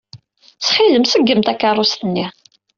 Ttxil-m, ṣeggem takeṛṛust-nni.